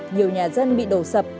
nhiều nhà dân bị đổ sập